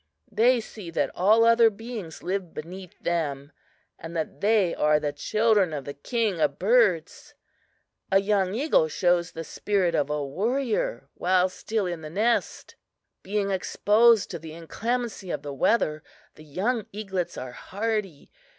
They see that all other beings live beneath them, and that they are the children of the King of Birds. A young eagle shows the spirit of a warrior while still in the nest. "Being exposed to the inclemency of the weather the young eaglets are hardy.